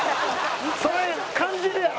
それ感じるやろ？